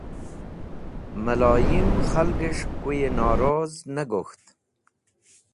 Mẽloyim khalgẽs̃h koyẽ noroz ne gok̃ht.